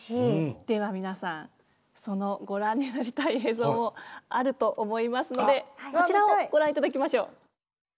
では皆さんそのご覧になりたい映像あると思いますのでこちらをご覧いただきましょう。